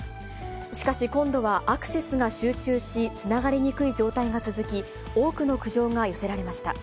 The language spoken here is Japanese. しかし、今度はアクセスが集中し、つながりにくい状態が続き、多くの苦情が寄せられました。